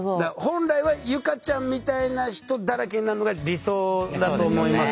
本来は結香ちゃんみたいな人だらけになるのが理想だと思います